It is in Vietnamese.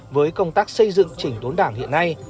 với công tác xây dựng chỉnh đốn đảng hiện nay